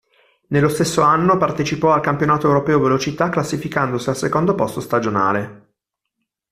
Nello stesso anno partecipò al Campionato Europeo Velocità classificandosi al secondo posto stagionale.